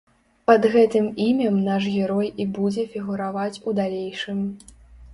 Пад гэтым імем наш герой і будзе фігураваць у далейшым.